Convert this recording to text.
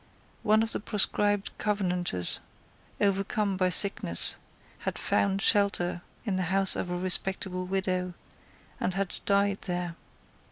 One of the proscribed Covenanters, overcome by sickness, had found shelter in the house of a respectable widow, and had died there.